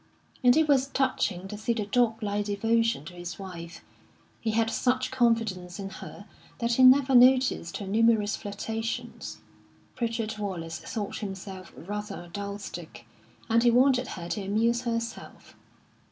And it was touching to see the dog like devotion to his wife; he had such confidence in her that he never noticed her numerous flirtations. Pritchard Wallace thought himself rather a dull stick, and he wanted her to amuse herself.